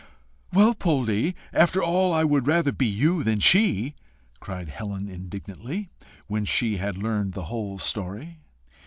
"Well, Poldie, after all I would rather be you than she!" cried Helen indignantly, when she had learned the whole story.